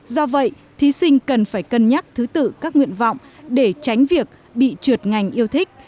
do vậy thí sinh cần phải cân nhắc thứ tự các nguyện vọng để tránh việc bị trượt ngành yêu thích